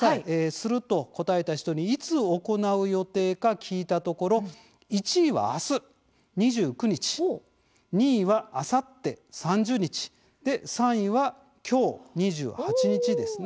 「する」と答えた人にいつ行う予定か聞いたところ１位は明日２９日２位は、あさって３０日３位は今日２８日ですね。